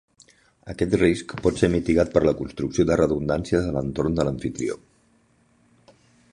Aquest risc pot ser mitigat per la construcció de redundàncies a l'entorn de l'amfitrió.